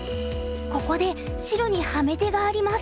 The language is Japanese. ここで白にハメ手があります。